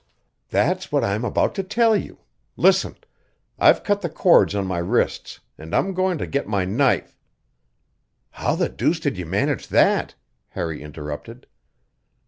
"That's what I am about to tell you. Listen! I've cut the cords on my wrists, and I'm going to get my knife " "How the deuce did you manage that?" Harry interrupted.